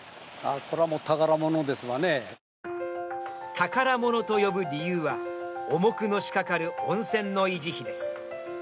宝物と呼ぶ理由は重くのしかかる温泉の維持費です。